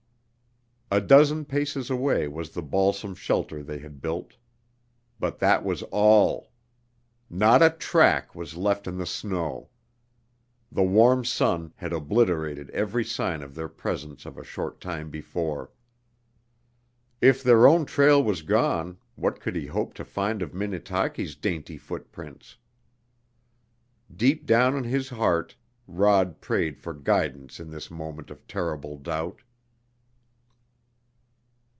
A dozen paces away was the balsam shelter they had built. But that was all. Not a track was left in the snow. The warm sun had obliterated every sign of their presence of a short time before! If their own trail was gone what could he hope to find of Minnetaki's dainty foot prints? Deep down in his heart Rod prayed for guidance in this moment of terrible doubt.